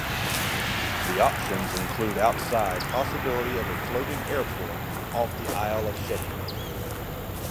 The options include outside possibility of a floating airport off the Isle of Sheppey.